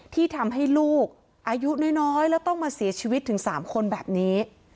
ที่ทำให้ลูกอายุน้อยแล้วต้องมาเสียชีวิตถึง๓คนแบบนี้